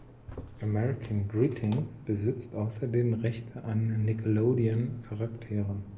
American Greetings besitzt außerdem Rechte an Nickelodeon-Charakteren.